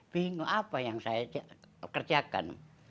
bingung apa yang saya kerjakan